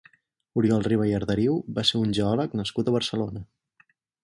Oriol Riba i Arderiu va ser un geòleg nascut a Barcelona.